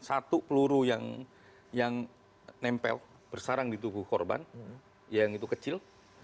satu peluru yang nempel bersarang di tubuh korban yang itu kecil